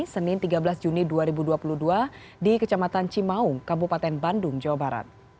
senin tiga belas juni dua ribu dua puluh dua di kecamatan cimaung kabupaten bandung jawa barat